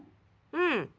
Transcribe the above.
うん。